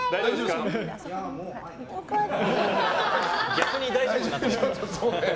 逆に大丈夫になってきた。